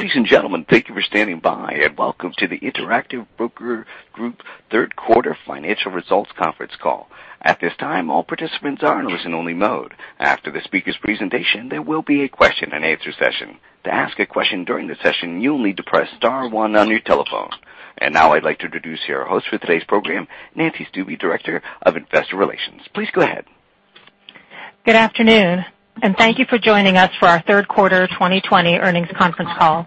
Ladies and gentlemen, thank you for standing by, and welcome to the Interactive Brokers Group third quarter financial results conference call. At this time, all participants are in listen-only mode. After the speaker's presentation, there will be a question and answer session. To ask a question during the session, you'll need to press star one on your telephone. Now I'd like to introduce your host for today's program, Nancy Stuebe, Director of Investor Relations. Please go ahead. Good afternoon, and thank you for joining us for our third quarter 2020 earnings conference call.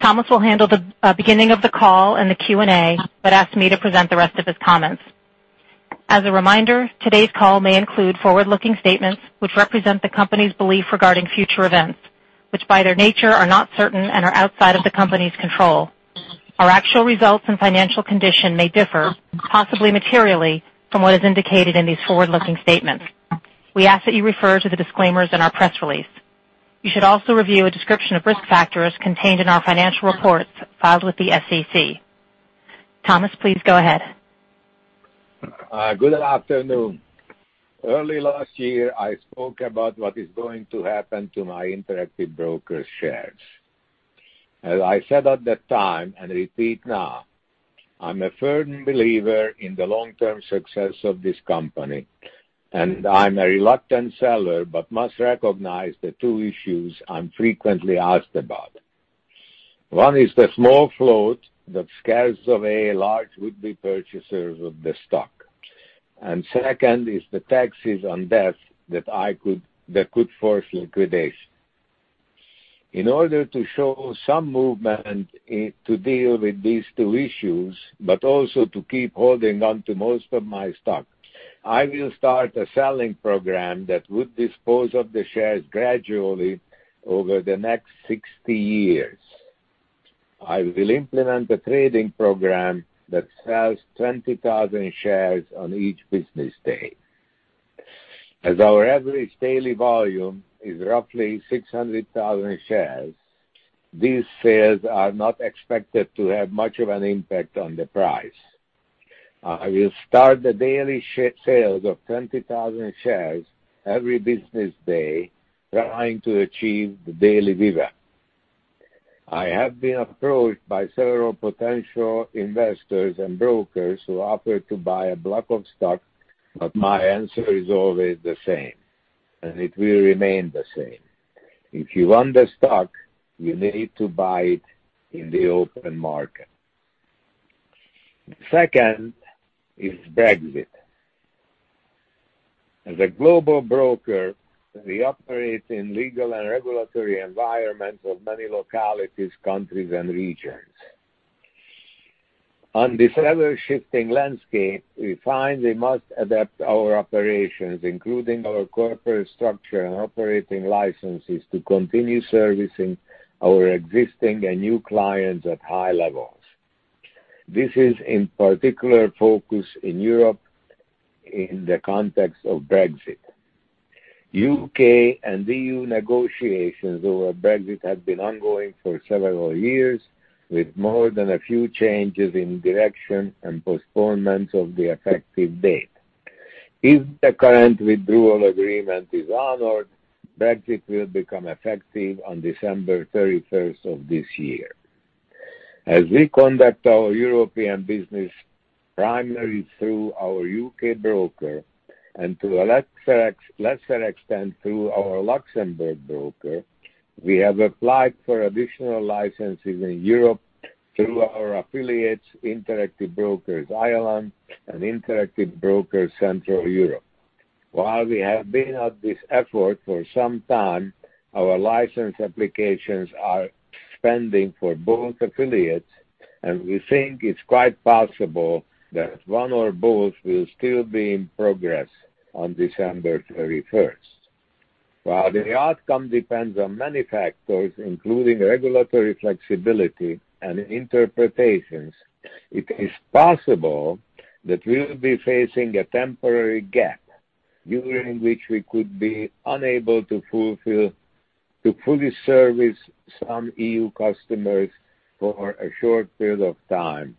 Thomas will handle the beginning of the call and the Q&A, but asked me to present the rest of his comments. As a reminder, today's call may include forward-looking statements which represent the company's belief regarding future events, which, by their nature, are not certain and are outside of the company's control. Our actual results and financial condition may differ, possibly materially, from what is indicated in these forward-looking statements. We ask that you refer to the disclaimers in our press release. You should also review a description of risk factors contained in our financial reports filed with the SEC. Thomas, please go ahead. Good afternoon. Early last year, I spoke about what is going to happen to my Interactive Brokers shares. As I said at that time, and repeat now, I'm a firm believer in the long-term success of this company, and I'm a reluctant seller but must recognize the two issues I'm frequently asked about. One is the small float that scares away large would-be purchasers of the stock. Second is the taxes on death that could force liquidation. In order to show some movement to deal with these two issues, but also to keep holding on to most of my stock, I will start a selling program that would dispose of the shares gradually over the next 60 years. I will implement a trading program that sells 20,000 shares on each business day. As our average daily volume is roughly 600,000 shares, these sales are not expected to have much of an impact on the price. I will start the daily sales of 20,000 shares every business day, trying to achieve the daily VWAP. I have been approached by several potential investors and brokers who offered to buy a block of stock, but my answer is always the same, and it will remain the same. If you want the stock, you need to buy it in the open market. The second is Brexit. As a global broker, we operate in legal and regulatory environments of many localities, countries, and regions. On this ever-shifting landscape, we find we must adapt our operations, including our corporate structure and operating licenses, to continue servicing our existing and new clients at high levels. This is in particular focus in Europe in the context of Brexit. U.K. and EU negotiations over Brexit have been ongoing for several years, with more than a few changes in direction and postponement of the effective date. If the current withdrawal agreement is honored, Brexit will become effective on December 31st of this year. As we conduct our European business primarily through our U.K. broker and to a lesser extent through our Luxembourg broker, we have applied for additional licenses in Europe through our affiliates, Interactive Brokers Ireland and Interactive Brokers Central Europe. While we have been at this effort for some time, our license applications are pending for both affiliates, and we think it's quite possible that one or both will still be in progress on December 31st. While the outcome depends on many factors, including regulatory flexibility and interpretations, it is possible that we'll be facing a temporary gap during which we could be unable to fully service some EU customers for a short period of time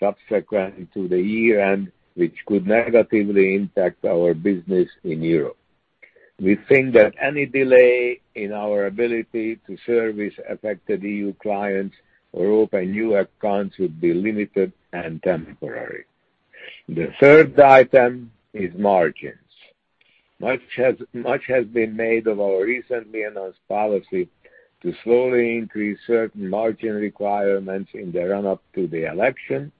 subsequent to the year-end, which could negatively impact our business in Europe. We think that any delay in our ability to service affected EU clients or open new accounts would be limited and temporary. The third item is margins. Much has been made of our recently announced policy to slowly increase certain margin requirements in the run-up to the election.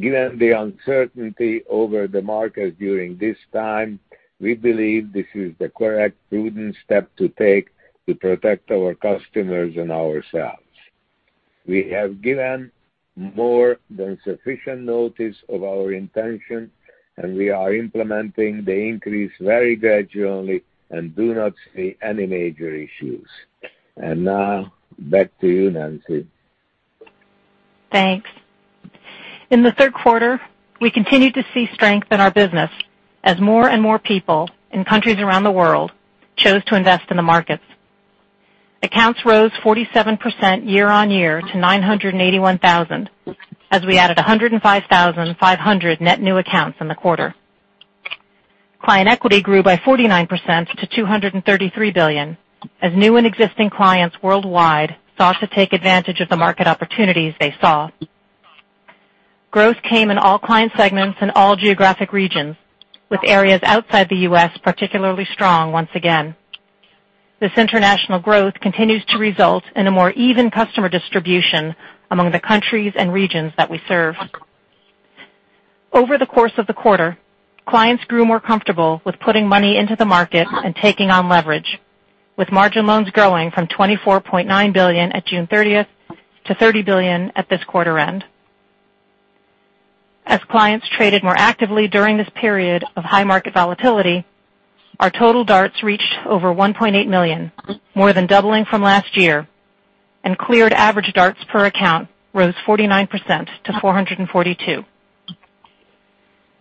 Given the uncertainty over the markets during this time, we believe this is the correct prudent step to take to protect our customers and ourselves. We have given more than sufficient notice of our intention, and we are implementing the increase very gradually and do not see any major issues. Now back to you, Nancy. Thanks. In the third quarter, we continued to see strength in our business as more and more people in countries around the world chose to invest in the markets. Accounts rose 47% year-over-year to 981,000 as we added 105,500 net new accounts in the quarter. Client equity grew by 49% to $233 billion, as new and existing clients worldwide sought to take advantage of the market opportunities they saw. Growth came in all client segments in all geographic regions, with areas outside the U.S. particularly strong once again. This international growth continues to result in a more even customer distribution among the countries and regions that we serve. Over the course of the quarter, clients grew more comfortable with putting money into the market and taking on leverage, with margin loans growing from $24.9 billion at June 30th to $30 billion at this quarter end. As clients traded more actively during this period of high market volatility, our total DARTs reached over 1.8 million, more than doubling from last year, and cleared average DARTs per account rose 49% to 442.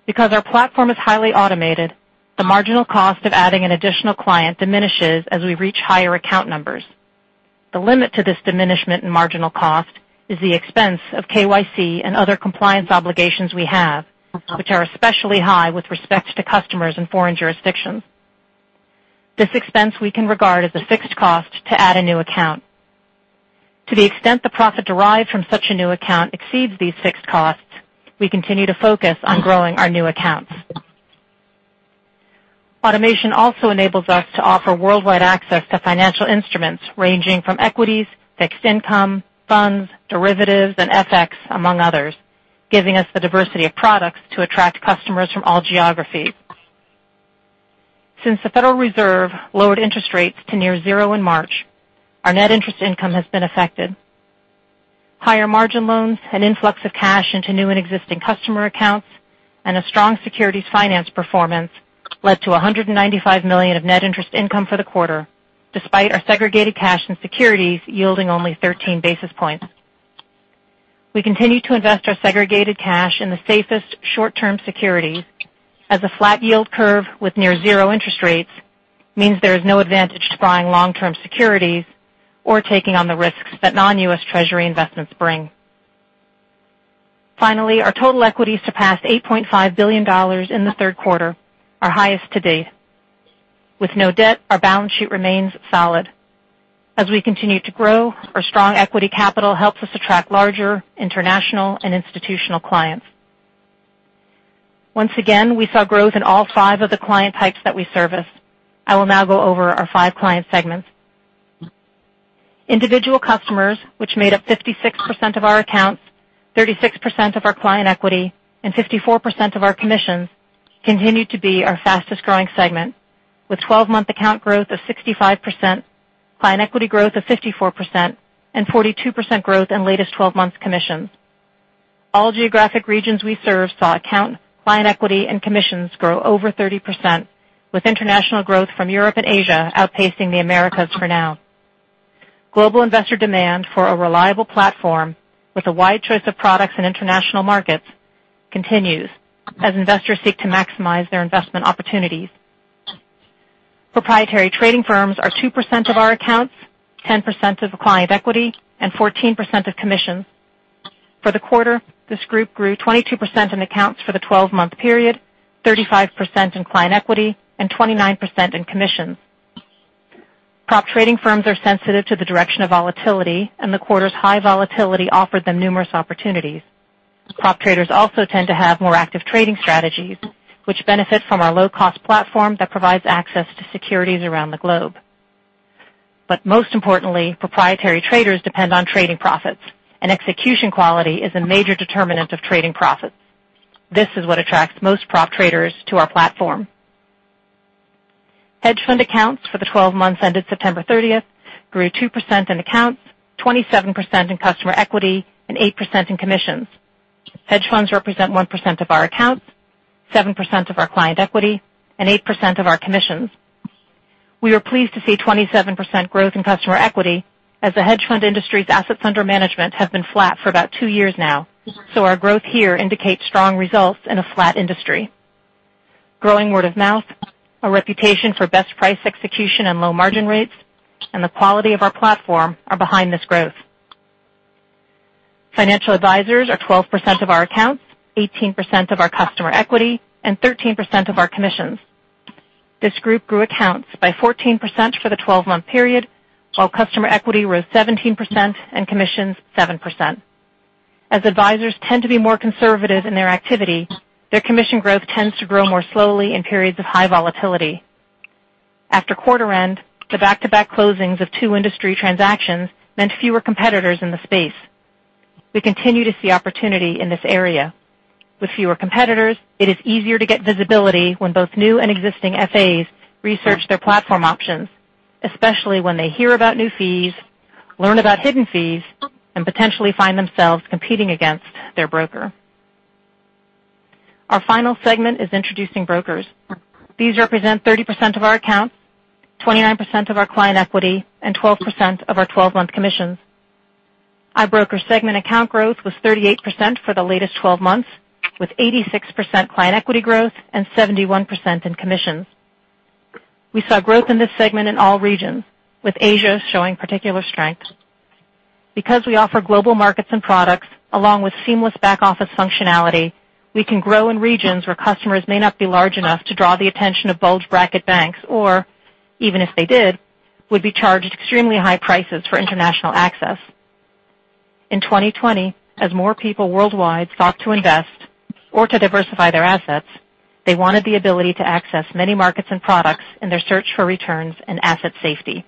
Because our platform is highly automated, the marginal cost of adding an additional client diminishes as we reach higher account numbers. The limit to this diminishment in marginal cost is the expense of KYC and other compliance obligations we have, which are especially high with respect to customers in foreign jurisdictions. This expense we can regard as a fixed cost to add a new account. To the extent the profit derived from such a new account exceeds these fixed costs, we continue to focus on growing our new accounts. Automation also enables us to offer worldwide access to financial instruments ranging from equities, fixed income, funds, derivatives, and FX, among others, giving us the diversity of products to attract customers from all geographies. Since the Federal Reserve lowered interest rates to near zero in March, our net interest income has been affected. Higher margin loans, an influx of cash into new and existing customer accounts, and a strong securities finance performance led to $195 million of net interest income for the quarter, despite our segregated cash and securities yielding only 13 basis points. We continue to invest our segregated cash in the safest short-term securities, as a flat yield curve with near zero interest rates means there is no advantage to buying long-term securities or taking on the risks that non-U.S. Treasury investments bring. Finally, our total equities surpassed $8.5 billion in the third quarter, our highest to date. With no debt, our balance sheet remains solid. As we continue to grow, our strong equity capital helps us attract larger international and institutional clients. Once again, we saw growth in all five of the client types that we service. I will now go over our five client segments. Individual customers, which made up 56% of our accounts, 36% of our client equity, and 54% of our commissions, continued to be our fastest-growing segment, with 12-month account growth of 65%, client equity growth of 54%, and 42% growth in latest 12-month commissions. All geographic regions we serve saw account, client equity, and commissions grow over 30%, with international growth from Europe and Asia outpacing the Americas for now. Global investor demand for a reliable platform with a wide choice of products in international markets continues as investors seek to maximize their investment opportunities. Proprietary trading firms are 2% of our accounts, 10% of client equity, and 14% of commissions. For the quarter, this group grew 22% in accounts for the 12-month period, 35% in client equity, and 29% in commissions. Prop trading firms are sensitive to the direction of volatility. The quarter's high volatility offered them numerous opportunities. Prop traders also tend to have more active trading strategies, which benefit from our low-cost platform that provides access to securities around the globe. Most importantly, proprietary traders depend on trading profits, and execution quality is a major determinant of trading profits. This is what attracts most prop traders to our platform. Hedge fund accounts for the 12 months ended September 30th grew 2% in accounts, 27% in customer equity, and 8% in commissions. Hedge funds represent 1% of our accounts, 7% of our client equity, and 8% of our commissions. We are pleased to see 27% growth in customer equity as the hedge fund industry's assets under management have been flat for about two years now, so our growth here indicates strong results in a flat industry. Growing word of mouth, our reputation for best price execution and low margin rates, and the quality of our platform are behind this growth. Financial advisors are 12% of our accounts, 18% of our customer equity, and 13% of our commissions. This group grew accounts by 14% for the 12-month period, while customer equity rose 17% and commissions 7%. As advisors tend to be more conservative in their activity, their commission growth tends to grow more slowly in periods of high volatility. After quarter end, the back-to-back closings of two industry transactions meant fewer competitors in the space. We continue to see opportunity in this area. With fewer competitors, it is easier to get visibility when both new and existing FAs research their platform options, especially when they hear about new fees, learn about hidden fees, and potentially find themselves competing against their broker. Our final segment is introducing brokers. These represent 30% of our accounts, 29% of our client equity, and 12% of our 12-month commissions. Our broker segment account growth was 38% for the latest 12 months, with 86% client equity growth and 71% in commissions. We saw growth in this segment in all regions, with Asia showing particular strength. Because we offer global markets and products, along with seamless back-office functionality, we can grow in regions where customers may not be large enough to draw the attention of bulge bracket banks, or even if they did, would be charged extremely high prices for international access. In 2020, as more people worldwide sought to invest or to diversify their assets, they wanted the ability to access many markets and products in their search for returns and asset safety.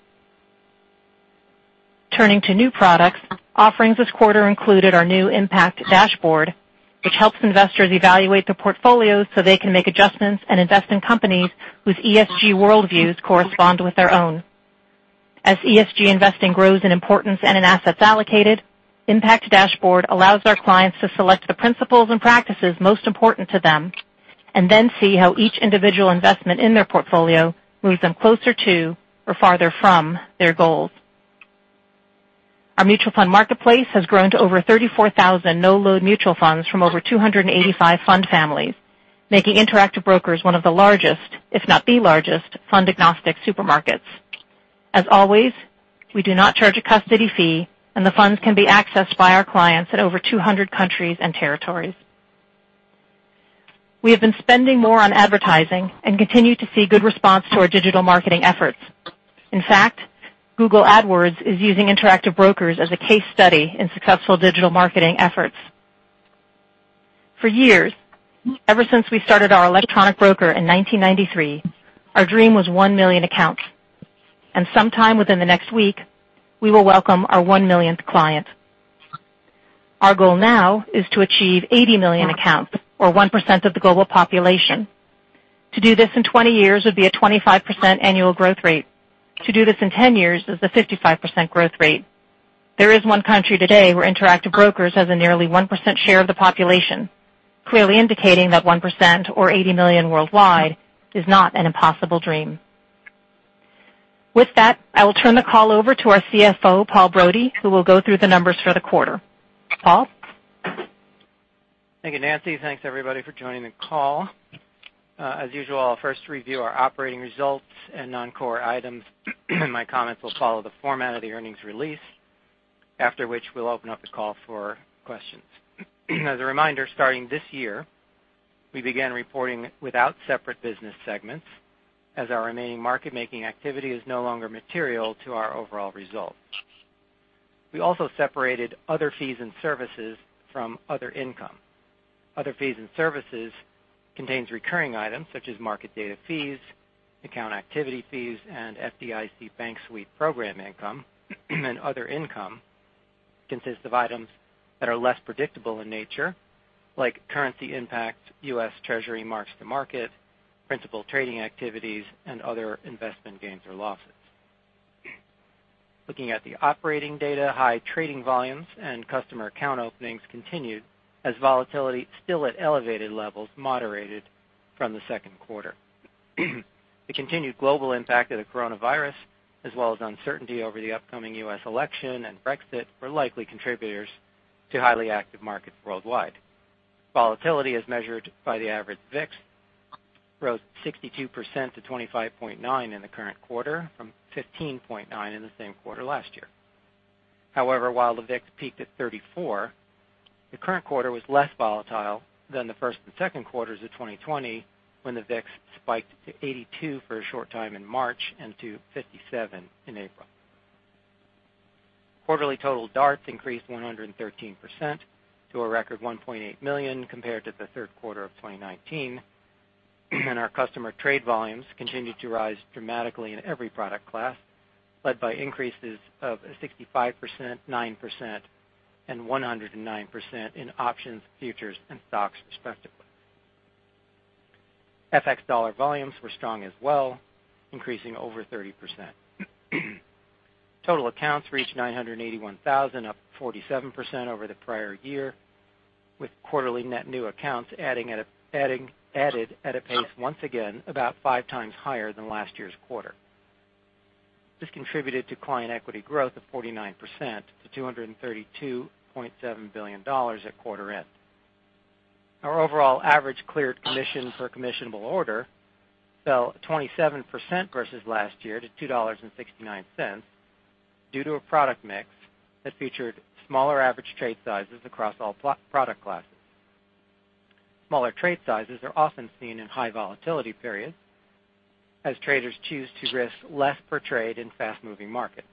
Turning to new products, offerings this quarter included our new Impact Dashboard, which helps investors evaluate their portfolios so they can make adjustments and invest in companies whose ESG worldviews correspond with their own. As ESG investing grows in importance and in assets allocated, Impact Dashboard allows our clients to select the principles and practices most important to them, and then see how each individual investment in their portfolio moves them closer to or farther from their goals. Our mutual fund marketplace has grown to over 34,000 no-load mutual funds from over 285 fund families, making Interactive Brokers one of the largest, if not the largest, fund-agnostic supermarkets. As always, we do not charge a custody fee, and the funds can be accessed by our clients in over 200 countries and territories. We have been spending more on advertising and continue to see good response to our digital marketing efforts. In fact, Google AdWords is using Interactive Brokers as a case study in successful digital marketing efforts. For years, ever since we started our electronic broker in 1993, our dream was 1 million accounts. Sometime within the next week, we will welcome our 1 millionth client. Our goal now is to achieve 80 million accounts or 1% of the GLOBAL population. To do this in 20 years would be a 25% annual growth rate. To do this in 10 years is a 55% growth rate. There is one country today where Interactive Brokers has a nearly 1% share of the population, clearly indicating that 1%, or 80 million worldwide, is not an impossible dream. With that, I will turn the call over to our CFO, Paul Brody, who will go through the numbers for the quarter. Paul? Thank you, Nancy. Thanks everybody for joining the call. As usual, I'll first review our operating results and non-core items, and my comments will follow the format of the earnings release. After which, we'll open up the call for questions. As a reminder, starting this year, we began reporting without separate business segments as our remaining market-making activity is no longer material to our overall result. We also separated other fees and services from other income. Other fees and services contains recurring items such as market data fees, account activity fees, and FDIC Bank Sweep Program income. Other income consists of items that are less predictable in nature, like currency impact, U.S. Treasury marks-to-market, principal trading activities, and other investment gains or losses. Looking at the operating data, high trading volumes and customer account openings continued as volatility still at elevated levels moderated from the second quarter. The continued global impact of the coronavirus, as well as uncertainty over the upcoming U.S. election and Brexit, were likely contributors to highly active markets worldwide. Volatility, as measured by the average VIX, rose 62% to 25.9 in the current quarter from 15.9 in the same quarter last year. However, while the VIX peaked at 34, the current quarter was less volatile than the first and second quarters of 2020, when the VIX spiked to 82 for a short time in March and to 57 in April. Quarterly total DARTs increased 113% to a record 1.8 million compared to the third quarter of 2019, and our customer trade volumes continued to rise dramatically in every product class, led by increases of 65%, 9%, and 109% in options, futures, and stocks respectively. FX dollar volumes were strong as well, increasing over 30%. Total accounts reached 981,000, up 47% over the prior year, with quarterly net new accounts added at a pace, once again, about 5x higher than last year's quarter. This contributed to client equity growth of 49% to $232.7 billion at quarter end. Our overall average cleared commission per commissionable order fell 27% versus last year to $2.69 due to a product mix that featured smaller average trade sizes across all product classes. Smaller trade sizes are often seen in high volatility periods, as traders choose to risk less per trade in fast-moving markets.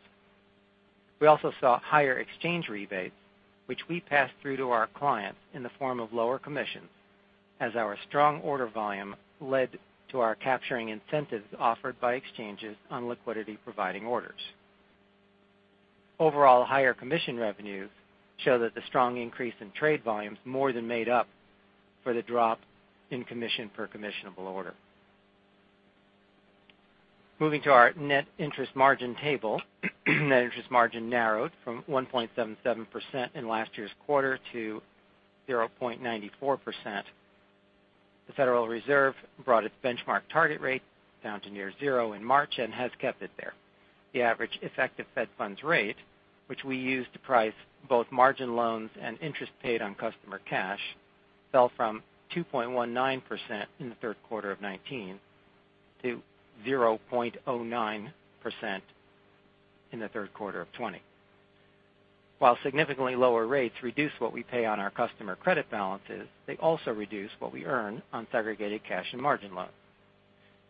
We also saw higher exchange rebates, which we passed through to our clients in the form of lower commissions as our strong order volume led to our capturing incentives offered by exchanges on liquidity providing orders. Overall higher commission revenues show that the strong increase in trade volumes more than made up for the drop in commission per commissionable order. Moving to our net interest margin table. Net interest margin narrowed from 1.77% in last year's quarter to 0.94%. The Federal Reserve brought its benchmark target rate down to near zero in March and has kept it there. The average effective Fed funds rate, which we use to price both margin loans and interest paid on customer cash, fell from 2.19% in the third quarter of 2019 to 0.09% in the third quarter of 2020. While significantly lower rates reduce what we pay on our customer credit balances, they also reduce what we earn on segregated cash and margin loans.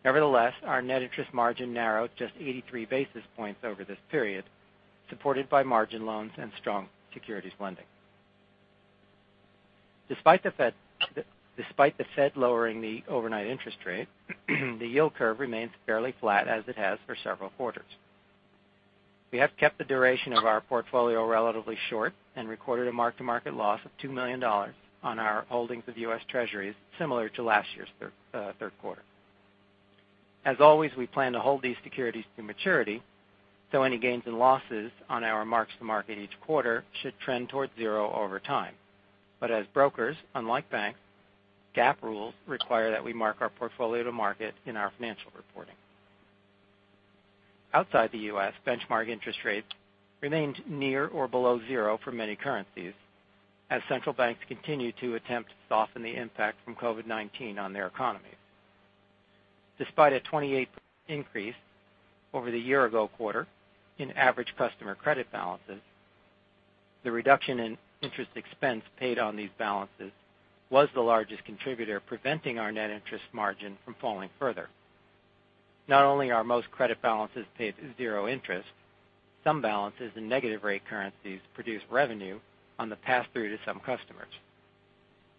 Nevertheless, our net interest margin narrowed just 83 basis points over this period, supported by margin loans and strong securities lending. Despite the Fed lowering the overnight interest rate, the yield curve remains fairly flat as it has for several quarters. We have kept the duration of our portfolio relatively short and recorded a mark-to-market loss of $2 million on our holdings of U.S. Treasuries, similar to last year's third quarter. As always, we plan to hold these securities to maturity, any gains and losses on our marks-to-market each quarter should trend towards zero over time. As brokers, unlike banks, GAAP rules require that we mark our portfolio to market in our financial reporting. Outside the U.S., benchmark interest rates remained near or below zero for many currencies, as central banks continue to attempt to soften the impact from COVID-19 on their economies. Despite a 28% increase over the year ago quarter in average customer credit balances, the reduction in interest expense paid on these balances was the largest contributor preventing our net interest margin from falling further. Not only are most credit balances paid zero interest, some balances in negative rate currencies produce revenue on the pass-through to some customers.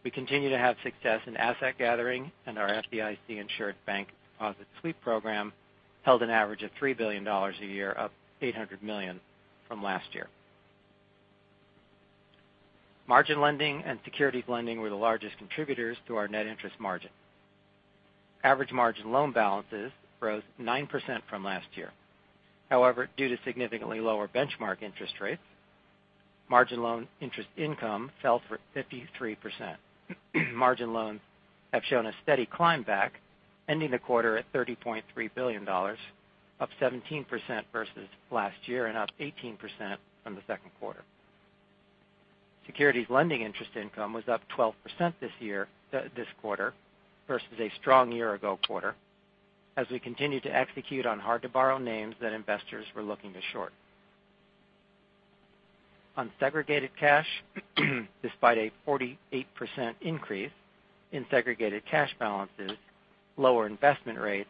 We continue to have success in asset gathering, and our FDIC-insured bank deposit sweep program held an average of $3 billion a year, up $800 million from last year. Margin lending and securities lending were the largest contributors to our net interest margin. Average margin loan balances rose 9% from last year. However, due to significantly lower benchmark interest rates, margin loan interest income fell by 53%. Margin loans have shown a steady climb back, ending the quarter at $30.3 billion, up 17% versus last year and up 18% from the second quarter. Securities lending interest income was up 12% this quarter versus a strong year ago quarter, as we continued to execute on hard-to-borrow names that investors were looking to short. On segregated cash, despite a 48% increase in segregated cash balances, lower investment rates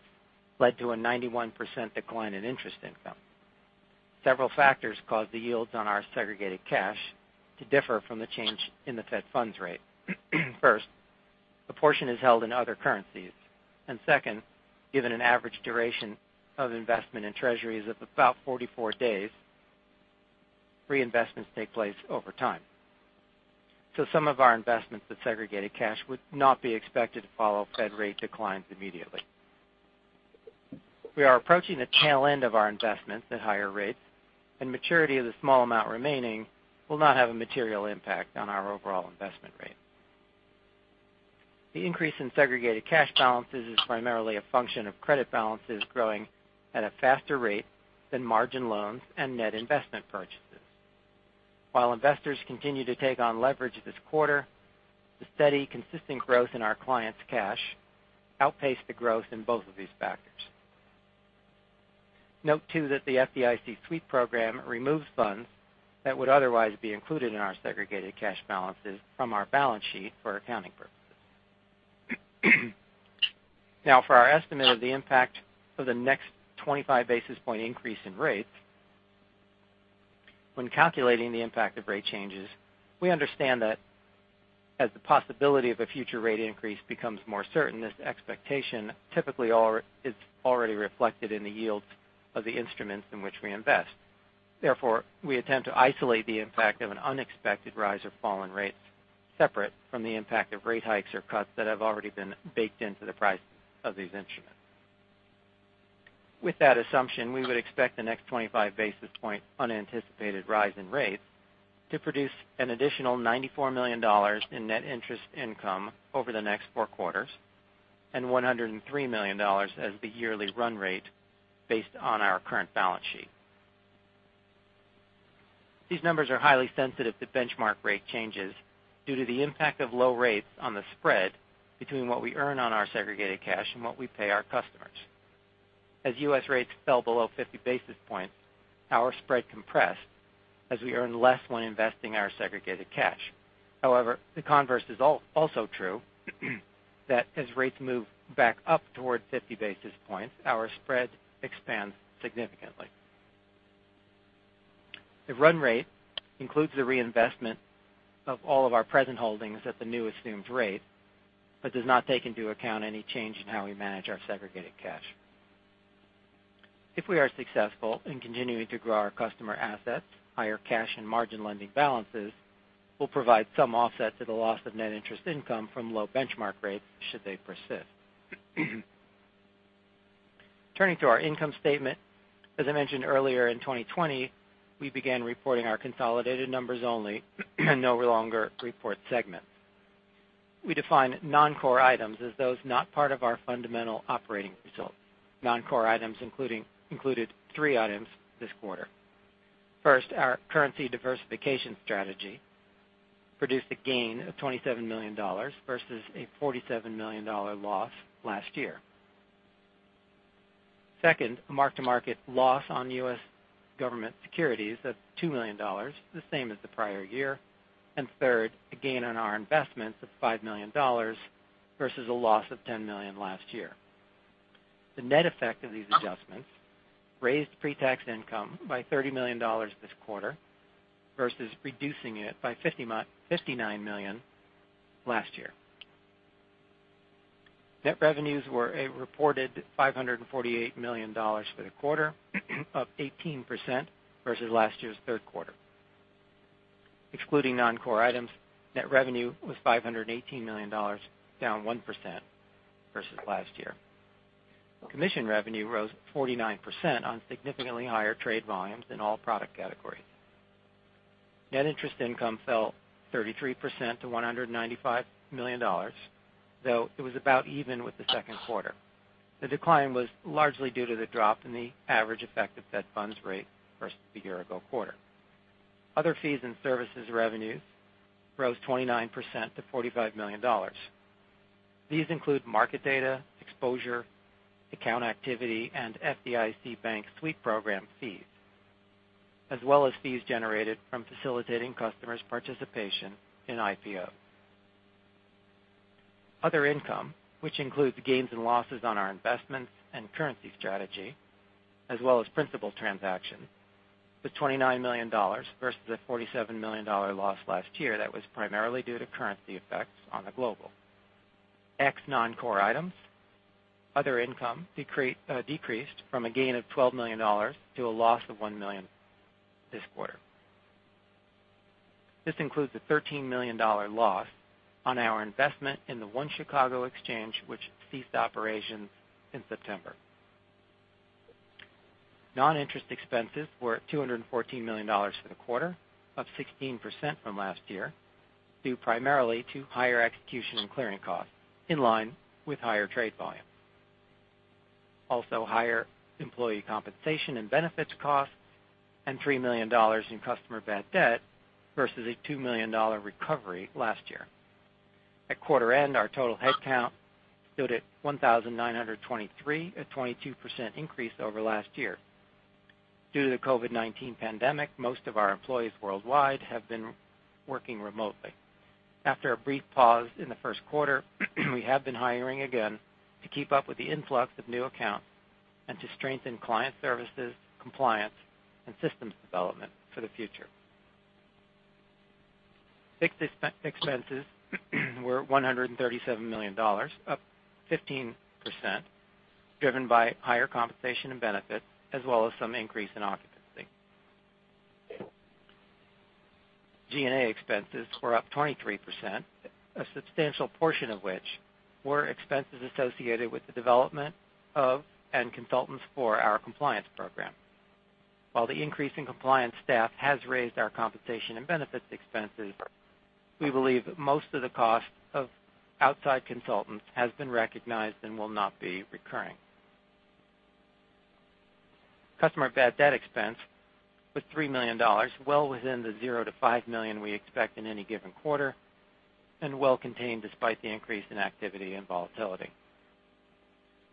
led to a 91% decline in interest income. Several factors caused the yields on our segregated cash to differ from the change in the Fed funds rate. First, a portion is held in other currencies, and second, given an average duration of investment in Treasuries of about 44 days, reinvestments take place over time. Some of our investments with segregated cash would not be expected to follow Fed rate declines immediately. We are approaching the tail end of our investments at higher rates, and maturity of the small amount remaining will not have a material impact on our overall investment rate. The increase in segregated cash balances is primarily a function of credit balances growing at a faster rate than margin loans and net investment purchases. While investors continue to take on leverage this quarter, the steady, consistent growth in our clients' cash outpaced the growth in both of these factors. Note, too, that the FDIC Bank Sweep Program removes funds that would otherwise be included in our segregated cash balances from our balance sheet for accounting purposes. For our estimate of the impact of the next 25 basis point increase in rates. When calculating the impact of rate changes, we understand that as the possibility of a future rate increase becomes more certain, this expectation typically is already reflected in the yields of the instruments in which we invest. Therefore, we attempt to isolate the impact of an unexpected rise or fall in rates separate from the impact of rate hikes or cuts that have already been baked into the price of these instruments. With that assumption, we would expect the next 25 basis point unanticipated rise in rates to produce an additional $94 million in net interest income over the next four quarters, and $103 million as the yearly run rate based on our current balance sheet. These numbers are highly sensitive to benchmark rate changes due to the impact of low rates on the spread between what we earn on our segregated cash and what we pay our customers. As U.S. rates fell below 50 basis points, our spread compressed as we earn less when investing our segregated cash. However, the converse is also true, that as rates move back up towards 50 basis points, our spread expands significantly. The run rate includes the reinvestment of all of our present holdings at the new assumed rate, but does not take into account any change in how we manage our segregated cash. If we are successful in continuing to grow our customer assets, higher cash and margin lending balances will provide some offset to the loss of net interest income from low benchmark rates should they persist. Turning to our income statement. As I mentioned earlier, in 2020, we began reporting our consolidated numbers only, and no longer report segments. We define non-core items as those not part of our fundamental operating results. Non-core items included three items this quarter. First, our currency diversification strategy produced a gain of $27 million versus a $47 million loss last year. Second, a mark-to-market loss on U.S. government securities of $2 million, the same as the prior year. Third, a gain on our investments of $5 million versus a loss of $10 million last year. The net effect of these adjustments raised pre-tax income by $30 million this quarter versus reducing it by $59 million last year. Net revenues were a reported $548 million for the quarter, up 18% versus last year's third quarter. Excluding non-core items, net revenue was $518 million, down 1% versus last year. Commission revenue rose 49% on significantly higher trade volumes in all product categories. Net interest income fell 33% to $195 million, though it was about even with the second quarter. The decline was largely due to the drop in the average effective Fed funds rate versus the year-ago quarter. Other fees and services revenues rose 29% to $45 million. These include market data, exposure, account activity, and FDIC Bank Sweep Program fees, as well as fees generated from facilitating customers' participation in IPOs. Other income, which includes gains and losses on our investments and currency strategy, as well as principal transactions, was $29 million versus a $47 million loss last year that was primarily due to currency effects on the global. Ex non-core items, other income decreased from a gain of $12 million to a loss of $1 million this quarter. This includes a $13 million loss on our investment in the OneChicago Exchange, which ceased operations in September. Non-interest expenses were at $214 million for the quarter, up 16% from last year, due primarily to higher execution and clearing costs in line with higher trade volume. Also higher employee compensation and benefits costs and $3 million in customer bad debt versus a $2 million recovery last year. At quarter end, our total headcount stood at 1,923, a 22% increase over last year. Due to the COVID-19 pandemic, most of our employees worldwide have been working remotely. After a brief pause in the first quarter, we have been hiring again to keep up with the influx of new accounts and to strengthen client services, compliance, and systems development for the future. Fixed expenses were $137 million, up 15%, driven by higher compensation and benefits, as well as some increase in occupancy. G&A expenses were up 23%, a substantial portion of which were expenses associated with the development of and consultants for our compliance program. While the increase in compliance staff has raised our compensation and benefits expenses, we believe that most of the cost of outside consultants has been recognized and will not be recurring. Customer bad debt expense was $3 million, well within the $0-$5 million we expect in any given quarter, and well contained despite the increase in activity and volatility.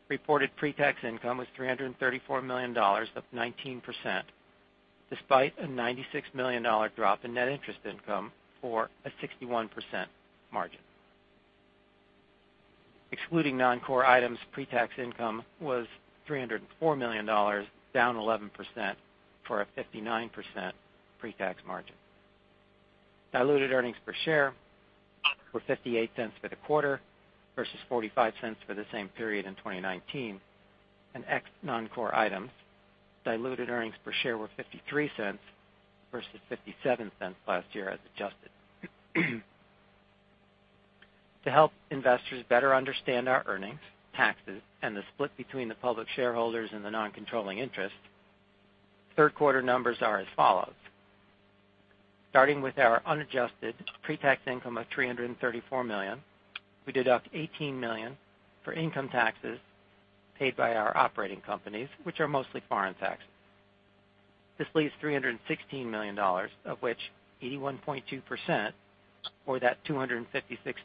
Reported pre-tax income was $334 million, up 19%, despite a $96 million drop in net interest income for a 61% margin. Excluding non-core items, pre-tax income was $304 million, down 11%, for a 59% pre-tax margin. Diluted earnings per share were $0.58 for the quarter versus $0.45 for the same period in 2019. Ex non-core items, diluted earnings per share were $0.53 versus $0.57 last year as adjusted. To help investors better understand our earnings, taxes, and the split between the public shareholders and the non-controlling interest, third quarter numbers are as follows. Starting with our unadjusted pre-tax income of $334 million, we deduct $18 million for income taxes paid by our operating companies, which are mostly foreign taxes. This leaves $316 million, of which 81.2%, or that $256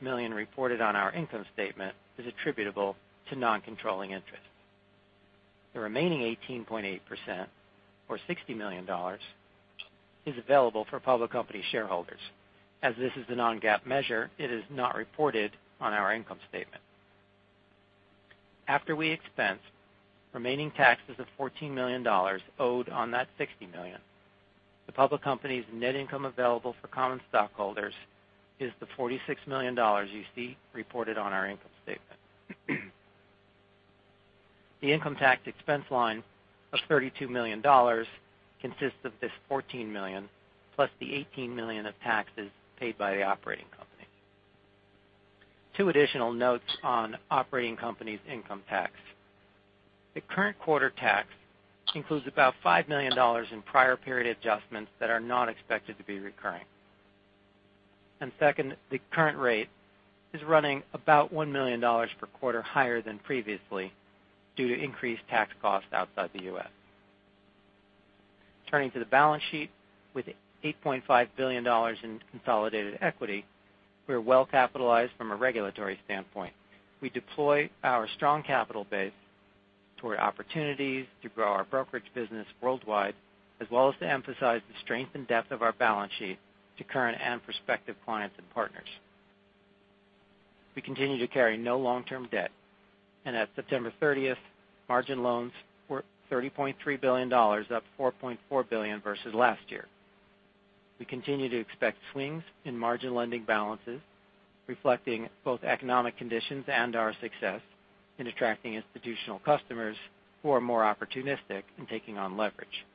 million reported on our income statement, is attributable to non-controlling interest. The remaining 18.8%, or $60 million, is available for public company shareholders. As this is the non-GAAP measure, it is not reported on our income statement. After we expense remaining taxes of $14 million owed on that $60 million, the public company's net income available for common stockholders is the $46 million you see reported on our income statement. The income tax expense line of $32 million consists of this $14 million plus the $18 million of taxes paid by the operating company. Two additional notes on operating companys' income tax. The current quarter tax includes about $5 million in prior period adjustments that are not expected to be recurring. Second, the current rate is running about $1 million per quarter higher than previously due to increased tax costs outside the U.S. Turning to the balance sheet, with $8.5 billion in consolidated equity, we're well-capitalized from a regulatory standpoint. We deploy our strong capital base toward opportunities to grow our brokerage business worldwide, as well as to emphasize the strength and depth of our balance sheet to current and prospective clients and partners. We continue to carry no long-term debt, and at September 30th, margin loans were $30.3 billion, up $4.4 billion versus last year. We continue to expect swings in margin lending balances, reflecting both economic conditions and our success in attracting institutional customers who are more opportunistic in taking on leverage.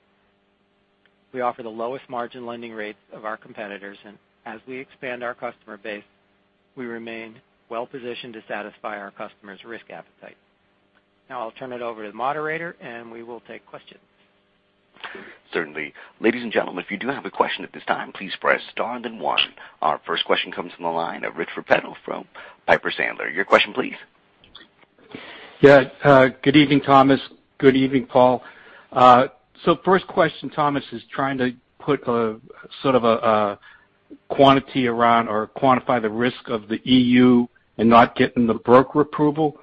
We offer the lowest margin lending rates of our competitors, and as we expand our customer base, we remain well-positioned to satisfy our customers' risk appetite. Now I'll turn it over to the moderator, and we will take questions. Certainly. Ladies and gentlemen, if you do have a question at this time, please press star then one. Our first question comes from the line of Rich Repetto from Piper Sandler. Your question please. Yeah. Good evening, Thomas. Good evening, Paul. First question, Thomas, is trying to put sort of a quantity around or quantify the risk of the EU and not getting the broker approval.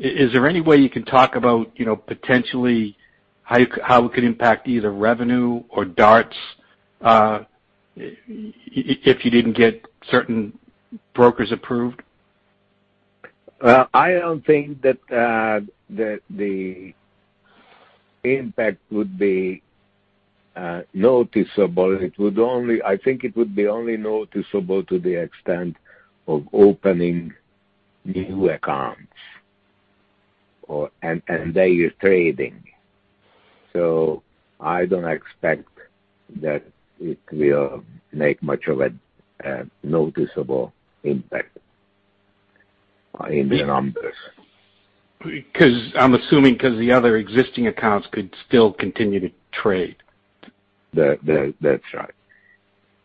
Is there any way you can talk about potentially how it could impact either revenue or DARTs if you didn't get certain brokers approved? Well, I don't think that the impact would be noticeable. I think it would be only noticeable to the extent of opening new accounts or, and they are trading. I don't expect that it will make much of a noticeable impact in the numbers. I'm assuming because the other existing accounts could still continue to trade. That's right.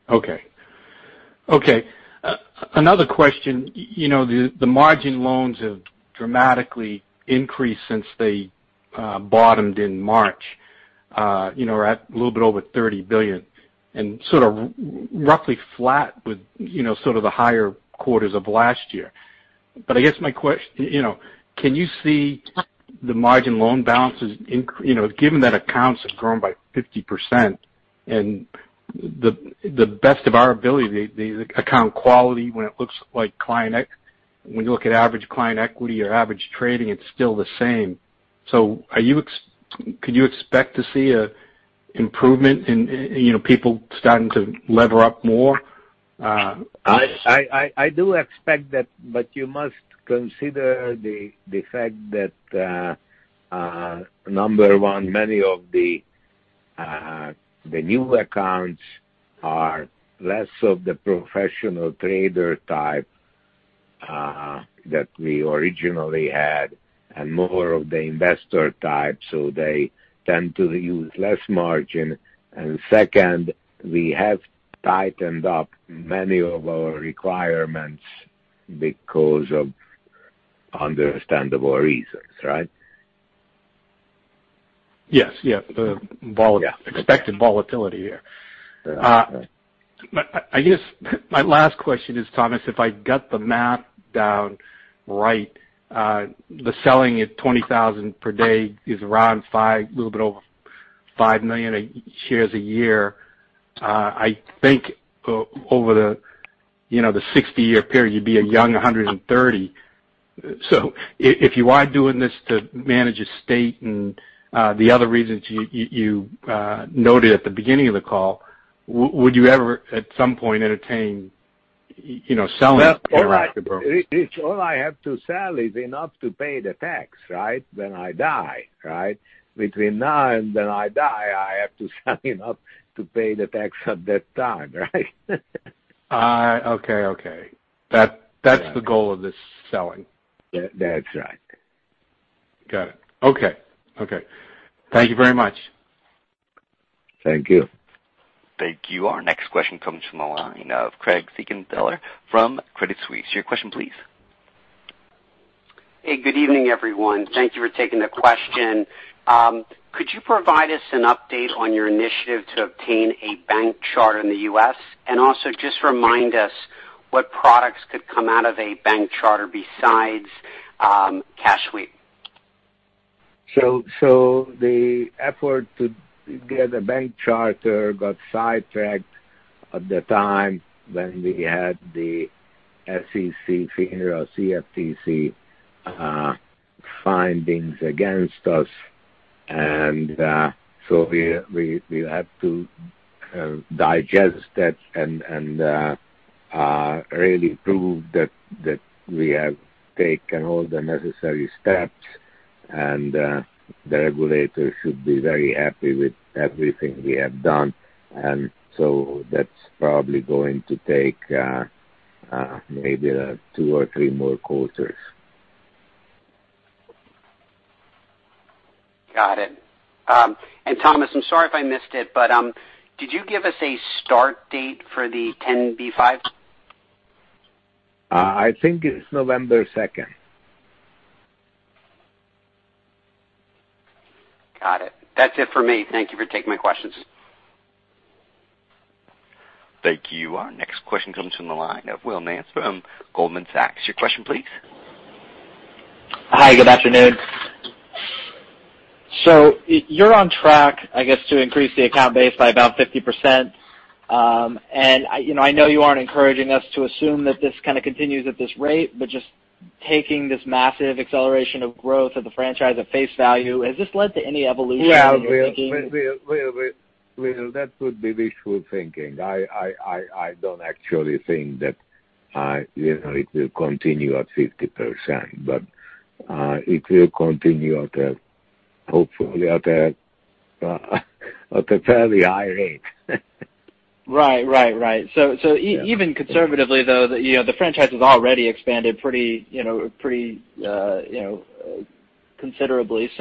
Okay. Another question. The margin loans have dramatically increased since they bottomed in March, are at a little bit over $30 billion and sort of roughly flat with sort of the higher quarters of last year. I guess my question, can you see the margin loan balances increase given that accounts have grown by 50% and to the best of our ability, the account quality when it looks like client equity when you look at average client equity or average trading, it's still the same. Could you expect to see an improvement in people starting to lever up more? I do expect that, you must consider the fact that, number one, many of the new accounts are less of the professional trader type that we originally had and more of the investor type, so they tend to use less margin. Second, we have tightened up many of our requirements because of understandable reasons, right? Yes. The expected volatility here. Yeah. I guess my last question is, Thomas, if I got the math down right, the selling at 20,000 per day is around 5 million, a little bit over 5 million shares a year. I think over the 60-year period, you'd be a young 130. If you are doing this to manage estate and the other reasons you noted at the beginning of the call, would you ever at some point entertain selling Interactive Brokers? All I have to sell is enough to pay the tax when I die, right? Between now and then I die, I have to sell enough to pay the tax at that time, right? Okay. That's the goal of this selling. That's right. Got it. Okay. Thank you very much. Thank you. Thank you. Our next question comes from the line of Craig Siegenthaler from Credit Suisse. Your question please. Hey, good evening, everyone. Thank you for taking the question. Could you provide us an update on your initiative to obtain a bank charter in the U.S.? Just remind us what products could come out of a bank charter besides cash sweep. The effort to get a bank charter got sidetracked at the time when we had the SEC, FINRA, CFTC findings against us. We have to digest that and really prove that we have taken all the necessary steps, and the regulators should be very happy with everything we have done. That's probably going to take maybe two or three more quarters. Got it. Thomas, I'm sorry if I missed it, but did you give us a start date for the 10b5? I think it's November 2nd. Got it. That's it for me. Thank you for taking my questions. Thank you. Our next question comes from the line of Will Nance from Goldman Sachs. Your question please. Hi, good afternoon. You're on track, I guess, to increase the account base by about 50%. I know you aren't encouraging us to assume that this continues at this rate, but just taking this massive acceleration of growth of the franchise at face value, has this led to any evolution in your thinking? Well, that would be wishful thinking. I don't actually think that it will continue at 50%, but it will continue hopefully at a fairly high rate. Right. Even conservatively, though, the franchise has already expanded pretty considerably.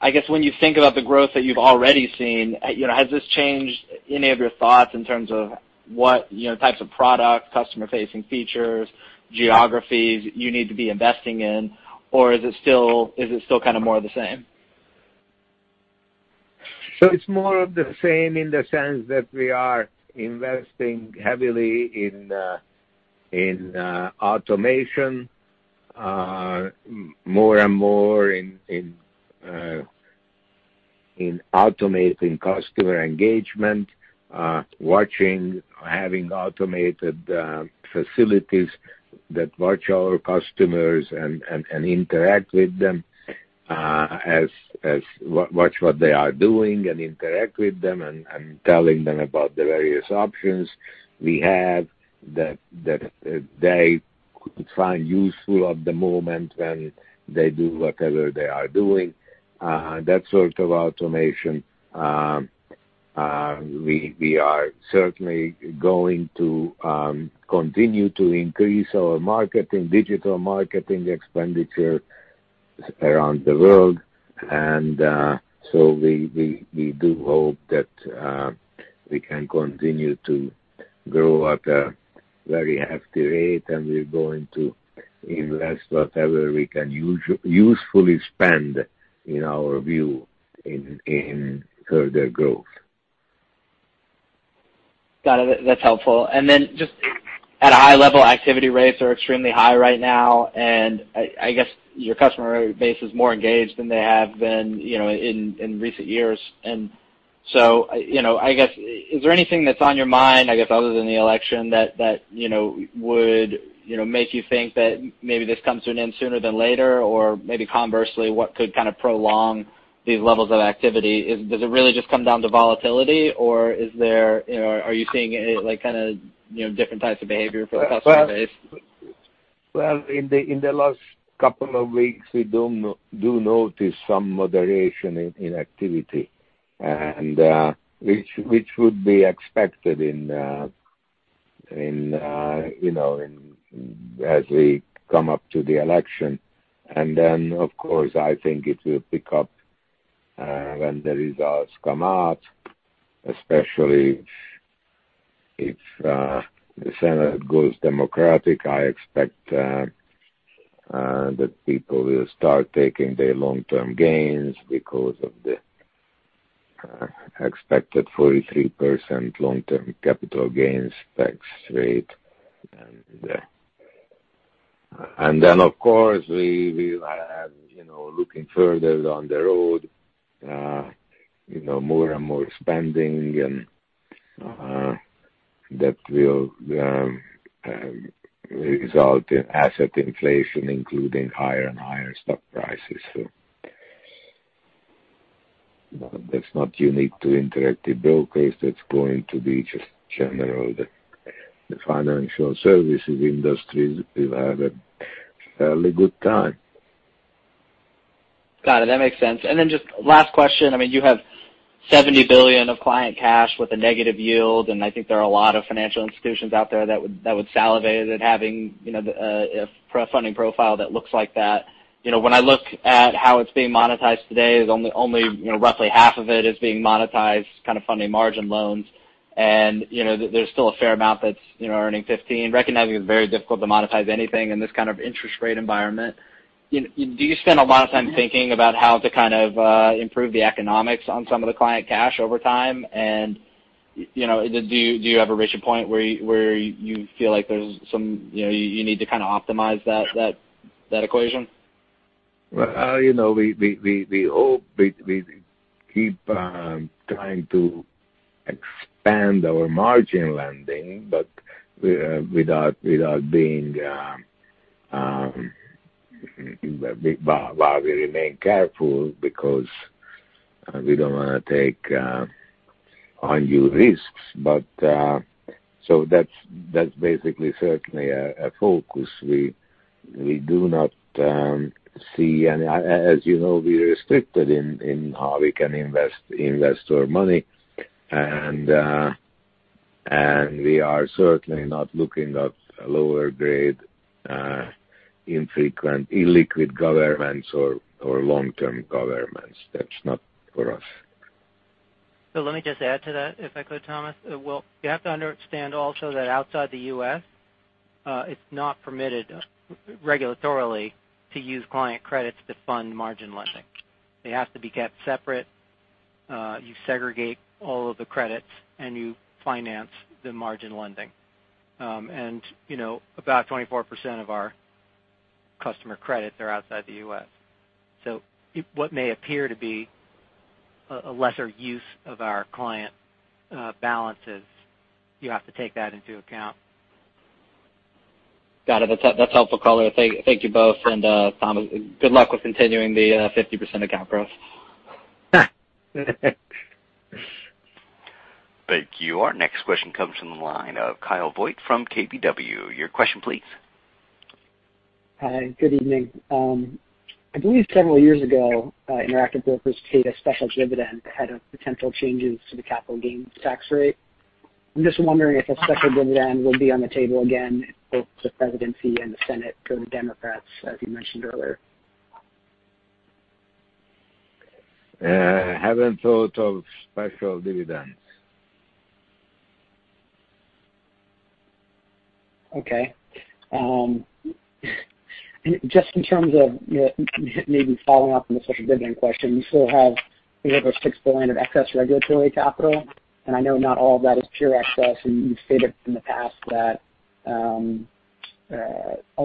I guess when you think about the growth that you've already seen, has this changed any of your thoughts in terms of what types of product, customer-facing features, geographies you need to be investing in? Or is it still more of the same? It's more of the same in the sense that we are investing heavily in automation, more and more in automating customer engagement, having automated facilities that watch our customers and interact with them, watch what they are doing and interact with them, and telling them about the various options we have that they could find useful at the moment when they do whatever they are doing. That sort of automation. We are certainly going to continue to increase our digital marketing expenditure around the world. We do hope that we can continue to grow at a very hefty rate, and we're going to invest whatever we can usefully spend in our view in further growth. Got it. That's helpful. Then just at a high level, activity rates are extremely high right now, and I guess your customer base is more engaged than they have been in recent years. So, I guess, is there anything that's on your mind, I guess, other than the election that would make you think that maybe this comes to an end sooner than later? Maybe conversely, what could prolong these levels of activity? Does it really just come down to volatility, or are you seeing different types of behavior for the customer base? Well, in the last two weeks, we do notice some moderation in activity, which would be expected as we come up to the election. Of course, I think it will pick up when the results come out, especially if the Senate goes Democratic, I expect that people will start taking their long-term gains because of the expected 43% long-term capital gains tax rate. Of course, we will have, looking further down the road, more and more spending and that will result in asset inflation, including higher and higher stock prices. That's not unique to Interactive Brokers. That's going to be just general. The financial services industry will have a fairly good time. Got it. That makes sense. Then just last question. You have $70 billion of client cash with a negative yield, and I think there are a lot of financial institutions out there that would salivate at having a funding profile that looks like that. When I look at how it's being monetized today, only roughly half of it is being monetized funding margin loans. There's still a fair amount that's earning 15 basis points, recognizing it's very difficult to monetize anything in this kind of interest rate environment. Do you spend a lot of time thinking about how to improve the economics on some of the client cash over time? Do you have a recent point where you feel like you need to optimize that equation? We hope we keep trying to expand our margin lending, but while we remain careful because we don't want to take on new risks. That's basically certainly a focus. As you know, we are restricted in how we can invest our money. We are certainly not looking at lower grade, infrequent, illiquid governments or long-term governments. That's not for us. Let me just add to that, if I could, Thomas. Well, you have to understand also that outside the U.S., it's not permitted regulatorily to use client credits to fund margin lending. They have to be kept separate. You segregate all of the credits, and you finance the margin lending. About 24% of our customer credits are outside the U.S. What may appear to be a lesser use of our client balances, you have to take that into account. Got it. That's helpful color. Thank you both. Thomas, good luck with continuing the 50% account growth. Thank you. Our next question comes from the line of Kyle Voigt from KBW. Your question please. Hi, good evening. I believe several years ago, Interactive Brokers paid a special dividend ahead of potential changes to the capital gains tax rate. I'm just wondering if a special dividend will be on the table again if both the Presidency and the Senate go to Democrats, as you mentioned earlier? Haven't thought of special dividends. Okay. Just in terms of maybe following up on the special dividend question, you still have a little over $6 billion of excess regulatory capital, and I know not all of that is pure excess, and you've stated in the past that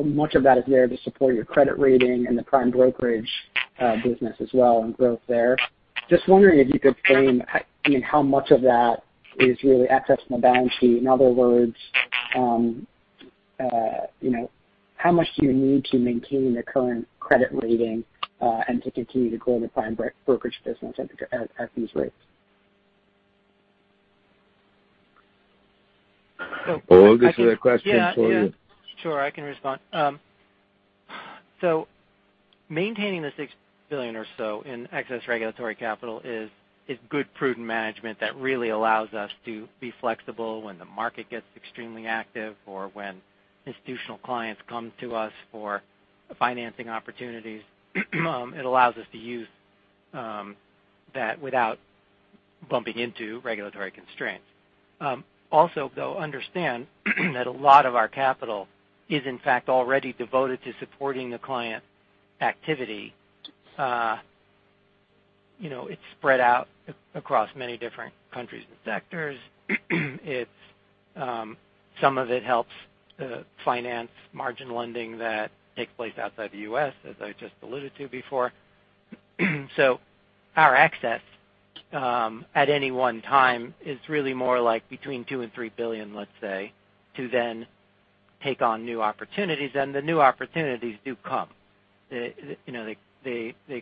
much of that is there to support your credit rating and the prime brokerage business as well and growth there. Just wondering if you could frame how much of that is really excess on the balance sheet. In other words, how much do you need to maintain the current credit rating, and to continue to grow the prime brokerage business at these rates? Paul, get to that question for you. I can respond. Maintaining the $6 billion or so in excess regulatory capital is good prudent management that really allows us to be flexible when the market gets extremely active or when institutional clients come to us for financing opportunities. It allows us to use that without bumping into regulatory constraints. Understand that a lot of our capital is in fact already devoted to supporting the client activity. It's spread out across many different countries and sectors. Some of it helps finance margin lending that takes place outside the U.S., as I just alluded to before. Our excess, at any one time, is really more like between $2 billion and $3 billion, let's say, to then take on new opportunities, and the new opportunities do come. They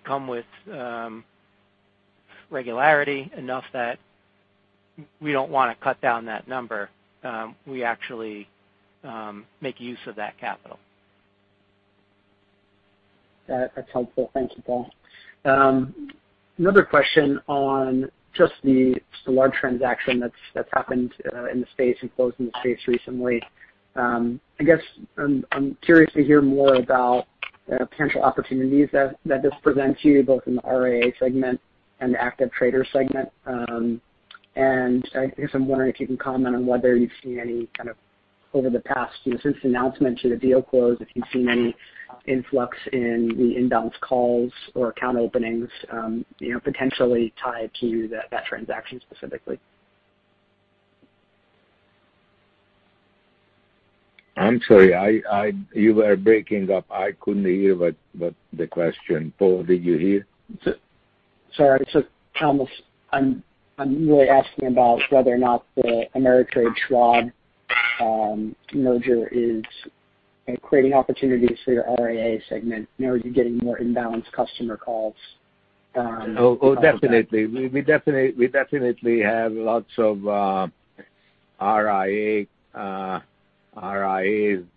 come with regularity, enough that we don't want to cut down that number. We actually make use of that capital. That's helpful. Thank you, Paul. Another question on just the large transaction that's happened in the space and closed in the space recently. I guess I'm curious to hear more about potential opportunities that this presents you both in the RIA segment and the active trader segment. I guess I'm wondering if you can comment on whether you've seen any kind of, over the past, since the announcement to the deal close, if you've seen any influx in the inbound calls or account openings, potentially tied to that transaction specifically. I'm sorry. You were breaking up. I couldn't hear the question. Paul, did you hear? Sorry. Thomas, I'm really asking about whether or not the Ameritrade Schwab merger is creating opportunities for your RIA segment, you're getting more inbound customer calls? Definitely. We definitely have lots of RIAs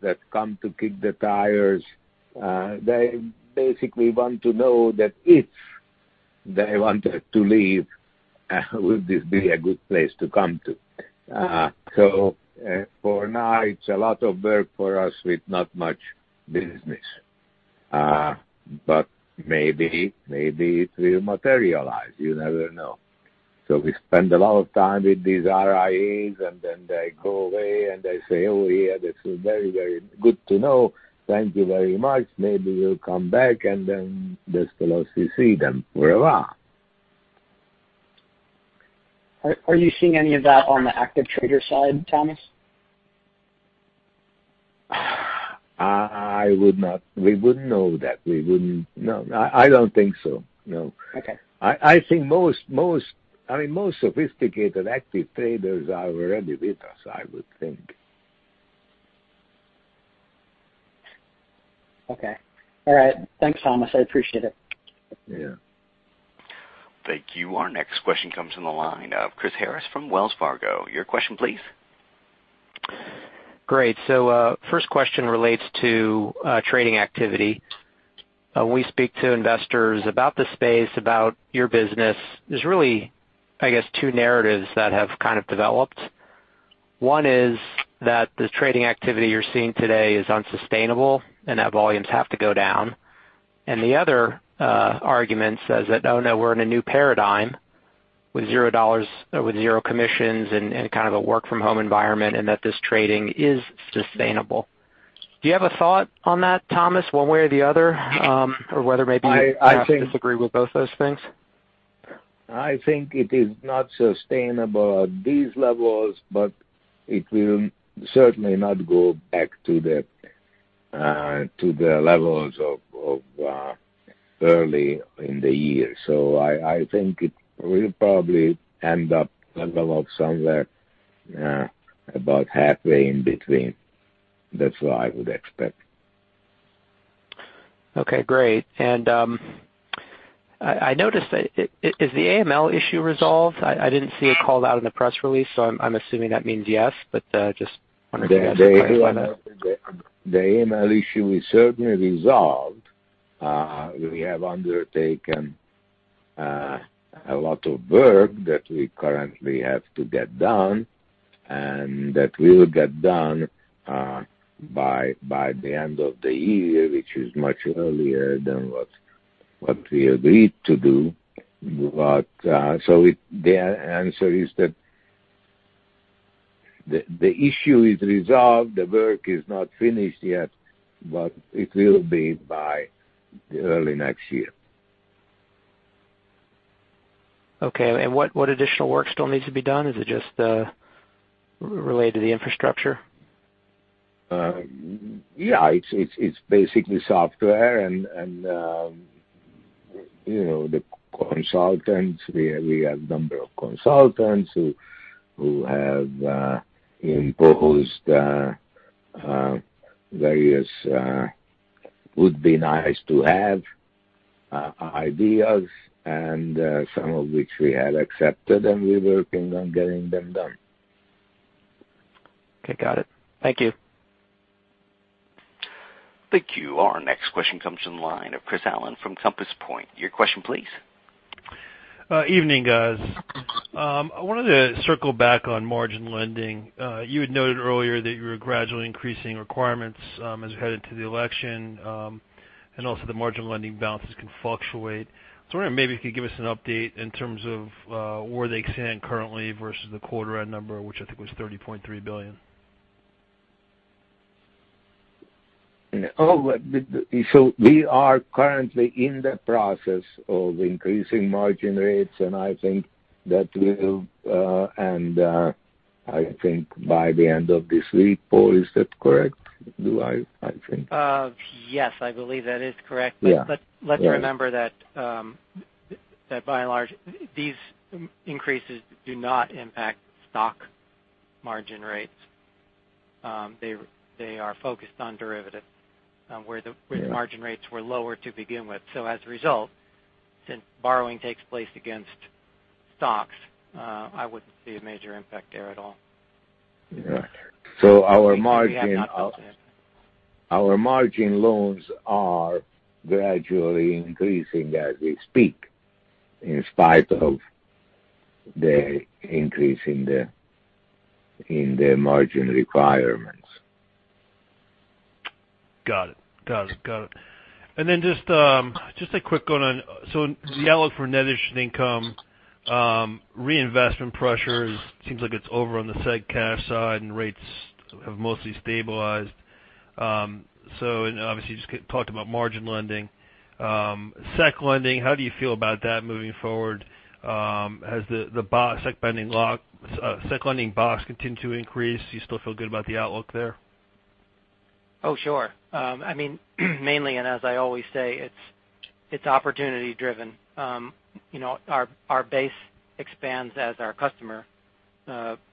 that come to kick the tires. They basically want to know that if they wanted to leave, would this be a good place to come to? For now, it's a lot of work for us with not much business. Maybe it will materialize. You never know. We spend a lot of time with these RIAs, and then they go away, and they say, "Yeah, this is very, very good to know. Thank you very much. Maybe we'll come back," and then just don't see them. Hurrah. Are you seeing any of that on the active trader side, Thomas? We wouldn't know that. I don't think so, no. Okay. I think most sophisticated active traders are already with us, I would think. Okay. All right. Thanks, Thomas. I appreciate it. Yeah. Thank you. Our next question comes from the line of Chris Harris from Wells Fargo. Your question, please. Great. First question relates to trading activity. When we speak to investors about the space, about your business, there's really, I guess, two narratives that have kind of developed. One is that the trading activity you're seeing today is unsustainable, and that volumes have to go down. The other argument says that, "Oh no, we're in a new paradigm with zero commissions and kind of a work from home environment, and that this trading is sustainable." Do you have a thought on that, Thomas, one way or the other? Or whether maybe you perhaps disagree with both those things? I think it is not sustainable at these levels. It will certainly not go back to the levels of early in the year. I think it will probably end up level of somewhere about halfway in between. That's what I would expect. Okay, great. I noticed that. Is the AML issue resolved? I didn't see it called out in the press release, so I'm assuming that means yes, but just wondering if you guys could comment on that. The AML issue is certainly resolved. We have undertaken a lot of work that we currently have to get done, and that we'll get done by the end of the year, which is much earlier than what we agreed to do. The answer is that the issue is resolved. The work is not finished yet, but it will be by early next year. Okay. What additional work still needs to be done? Is it just related to the infrastructure? Yeah. It's basically software and the consultants. We have number of consultants who have imposed various would-be-nice-to-have ideas. Some of which we have accepted, and we're working on getting them done. Okay. Got it. Thank you. Thank you. Our next question comes from the line of Chris Allen from Compass Point. Your question please. Evening, guys. I wanted to circle back on margin lending. You had noted earlier that you were gradually increasing requirements as we head into the election, and also the margin lending balances can fluctuate. I was wondering if maybe you could give us an update in terms of where they stand currently versus the quarter end number, which I think was $30.3 billion. We are currently in the process of increasing margin rates, and I think that will end, I think, by the end of this week. Paul, is that correct? Yes, I believe that is correct. Yeah. Let's remember that by and large, these increases do not impact stock margin rates. They are focused on derivatives where the margin rates were lower to begin with. As a result, since borrowing takes place against stocks, I wouldn't see a major impact there at all. Right. Our margin loans are gradually increasing as we speak, in spite of the increase in the margin requirements. Got it. Just a quick one on the outlook for net interest income, reinvestment pressure seems like it's over on the seg cash side, and rates have mostly stabilized. Obviously you just talked about margin lending. Sec lending, how do you feel about that moving forward? Has the sec lending box continued to increase? Do you still feel good about the outlook there? Oh, sure. Mainly, as I always say, it's opportunity-driven. Our base expands as our customer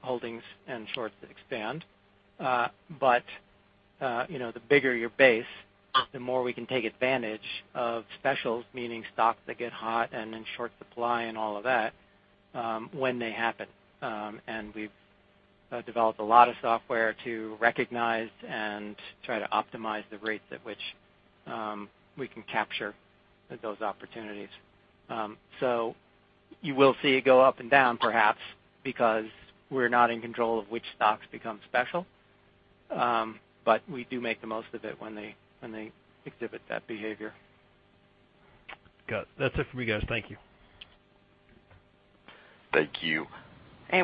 holdings and shorts expand. The bigger your base, the more we can take advantage of specials, meaning stocks that get hot and in short supply and all of that, when they happen. We've developed a lot of software to recognize and try to optimize the rates at which we can capture those opportunities. You will see it go up and down perhaps, because we're not in control of which stocks become special. We do make the most of it when they exhibit that behavior. Got it. That's it for me, guys. Thank you. Thank you.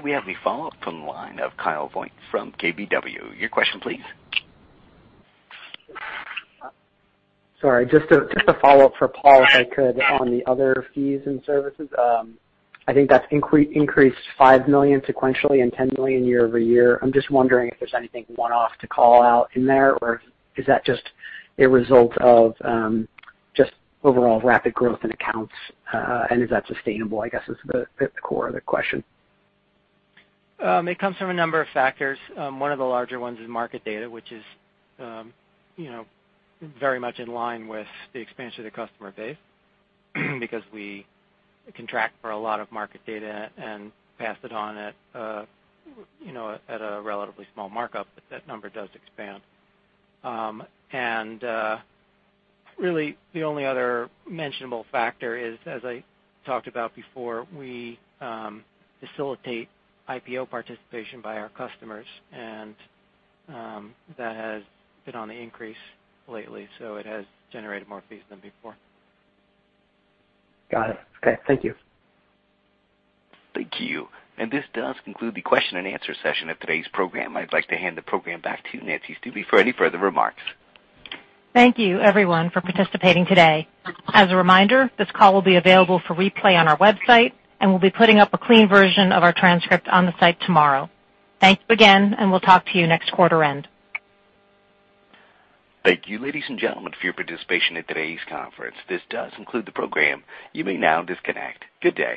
We have a follow-up from the line of Kyle Voigt from KBW. Your question please. Sorry, just a follow-up for Paul, if I could, on the other fees and services. I think that's increased $5 million sequentially and $10 million year-over-year. I'm just wondering if there's anything one-off to call out in there, or is that just a result of just overall rapid growth in accounts? Is that sustainable, I guess, is the core of the question. It comes from a number of factors. One of the larger ones is market data, which is very much in line with the expansion of the customer base, because we contract for a lot of market data and pass it on at a relatively small markup. That number does expand. Really the only other mentionable factor is, as I talked about before, we facilitate IPO participation by our customers, and that has been on the increase lately, so it has generated more fees than before. Got it. Okay. Thank you. Thank you. This does conclude the question and answer session of today's program. I'd like to hand the program back to Nancy Stuebe for any further remarks. Thank you everyone for participating today. As a reminder, this call will be available for replay on our website, and we'll be putting up a clean version of our transcript on the site tomorrow. Thank you again, and we'll talk to you next quarter end. Thank you, ladies and gentlemen, for your participation in today's conference. This does conclude the program. You may now disconnect. Good day.